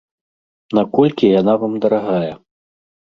Наколькі яна вам дарагая?